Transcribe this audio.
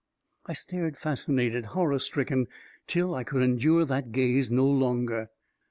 . I stared fascinated, horror stricken, till I could en dure that gaze no longer